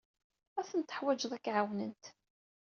Ad tent-teḥwijeḍ ad k-ɛawnent.